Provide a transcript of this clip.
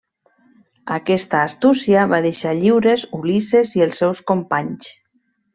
Aquesta astúcia va deixar lliures Ulisses i els seus companys.